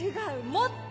もっと！